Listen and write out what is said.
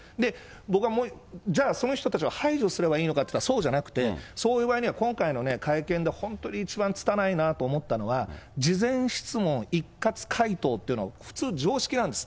僕は、じゃあその人たちは排除すればいいのかっていったらそうじゃなくて、そういう場合には今回の会見で本当に一番つたないなと思ったのは、事前質問、一括回答ってのは普通常識なんです。